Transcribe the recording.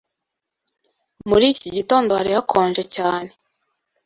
Muri iki gitondo hari hakonje cyane.